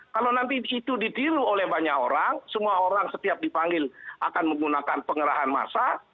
kalau nanti itu ditiru oleh banyak orang semua orang setiap dipanggil akan menggunakan pengerahan massa